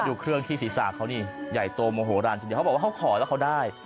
ดูเครื่องที่ศีรษะเขานี่ใหญ่โตโมโหลานทีเดียวเขาบอกว่าเขาขอแล้วเขาได้